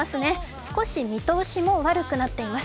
少し見通しも悪くなっています。